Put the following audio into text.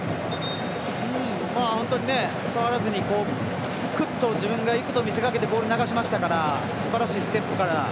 本当に触らずにくっと自分がいくと見せかけてボール流しましたからすばらしいステップから。